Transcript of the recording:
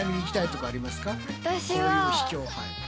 こういう秘境。